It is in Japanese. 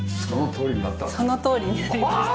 そのとおりになりました。